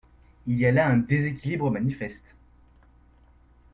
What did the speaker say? Il y a là un déséquilibre manifeste.